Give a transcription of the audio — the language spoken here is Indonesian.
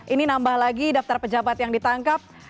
ini nambah lagi daftar pejabat yang ditangkap